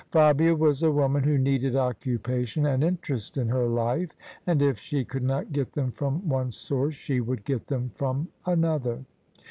Fabia was a woman who needed occupation and interest in her life ; and if she could not get them from one source she would get them from another.